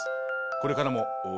これからも応援